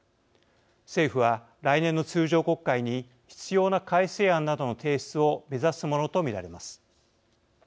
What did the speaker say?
政府は来年の通常国会に必要な改正案などの提出を目指すものと見られます。